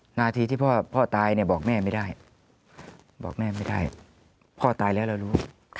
หน้าที่ที่พ่อตายบอกแม่ไม่ได้พ่อตายแล้วเรารู้